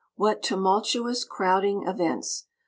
What tumultuous, crowding events!